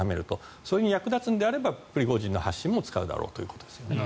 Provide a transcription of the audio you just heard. それに役立つのであればプリゴジンの発信も使うだろうということですね。